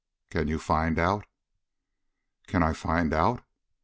Can you find out?" "_Can I find out?